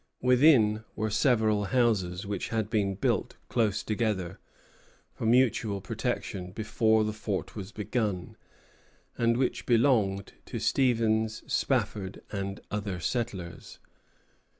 Within were several houses, which had been built close together, for mutual protection, before the fort was begun, and which belonged to Stevens, Spafford, and other settlers.